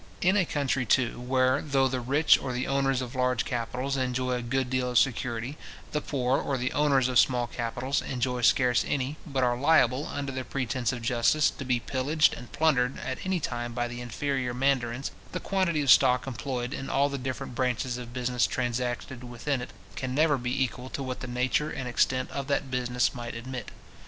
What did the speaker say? In a country, too, where, though the rich, or the owners of large capitals, enjoy a good deal of security, the poor, or the owners of small capitals, enjoy scarce any, but are liable, under the pretence of justice, to be pillaged and plundered at any time by the inferior mandarins, the quantity of stock employed in all the different branches of business transacted within it, can never be equal to what the nature and extent of that business might admit.